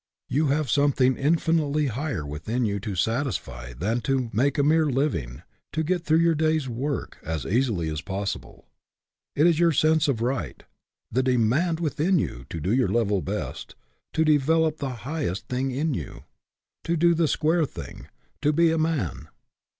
You have something infinitely higher within you to satisfy than to make a mere living, to get through your day's work as easily as possi ble. It is your sense of right; the demand within you to do your level best; to develop the highest thing in you; to do the square thing to be a man.